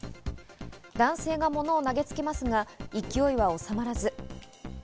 男性が物を投げつけますが、勢いはおさまらず。